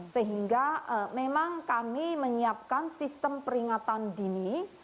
sehingga memang kami menyiapkan sistem peringatan dini